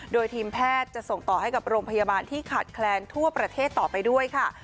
โดยทีมแพทย์จะส่งต่อให้กับโรงพยาบาลที่ขาดแคลนทั่วประเทศต่อไปด้วยค่ะ